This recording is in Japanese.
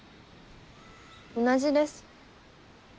同じです。